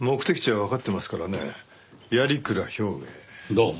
どうも。